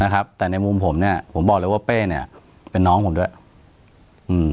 นะครับแต่ในมุมผมเนี้ยผมบอกเลยว่าเป้เนี้ยเป็นน้องผมด้วยอืม